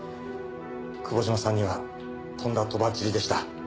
久保島さんにはとんだとばっちりでした。